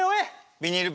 ビニール袋。